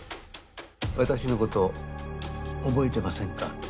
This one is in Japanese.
私のこと覚えてませんか？